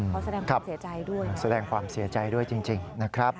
ขอแสดงความเสียใจด้วยแสดงความเสียใจด้วยจริงนะครับ